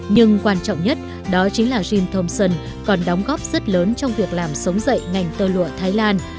nhưng quan trọng nhất đó chính là jean tomson còn đóng góp rất lớn trong việc làm sống dậy ngành tơ lụa thái lan